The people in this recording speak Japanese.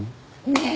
ねえ！